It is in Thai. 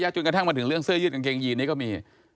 จนกระทั่งมาถึงเรื่องเสื้อยืดกางเกงยีนนี้ก็มี